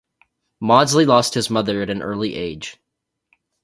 Maudsley lost his mother at an early age.